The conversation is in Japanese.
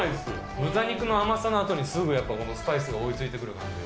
豚肉の甘さのあとに、すぐやっぱこのスパイスが追いついてくる感